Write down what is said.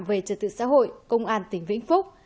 về trật tự xã hội công an tỉnh vĩnh phúc